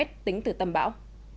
tính từ tâm bão